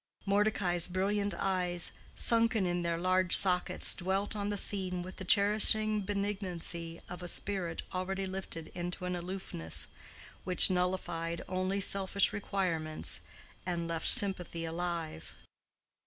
Mordecai's brilliant eyes, sunken in their large sockets, dwelt on the scene with the cherishing benignancy of a spirit already lifted into an aloofness which nullified only selfish requirements and left sympathy alive.